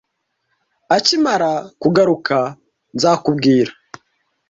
Akimara kugaruka, nzakubwira.